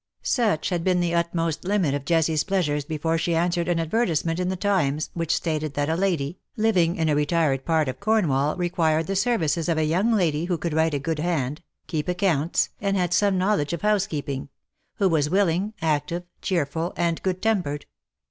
Such had been the utmost limit of Jessicas pleasures before she answered an advertisement in the Times, which stated that a lady, living in a retired part of Cornwall, required the services of a young lady who could write a good hand, keep accounts, and had some knowledge of housekeeping — who was willing, active, cheerful, and good tempered.